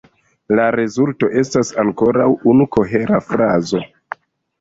La rezulto estas ankoraŭ unu kohera frazo.